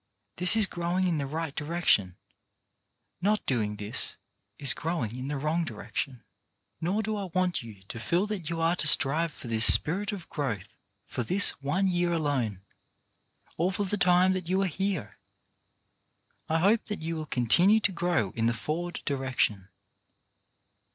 This is growing in the right direction; not doing this is growing in the wrong direction. Nor do I want you to feel that you are to strive for this spirit of growth for this one year alone, or for the GROWTH 281 time that you are here. I hope that you will con tinue to grow in the forward direction.